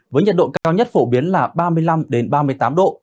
với nhiệt độ cao nhất phổ biến là ba mươi năm ba mươi tám độ